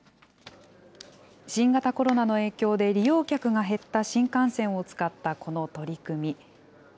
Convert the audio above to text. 新型コロナの影響で利用客が減った新幹線を使ったこの取り組み。